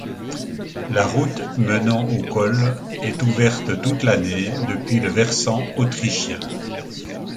La route menant au col est ouverte toute l'année depuis le versant autrichien.